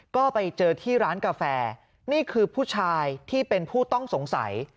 ก็ไปเจอที่ร้านกาแฟนี่คือผู้ชายที่เป็นผู้ต้องสงสัย